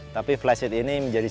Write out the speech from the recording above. tapi flysheet ini menjadi sumber